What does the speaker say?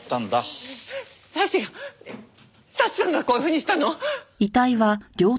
祥が祥さんがこういうふうにしたの？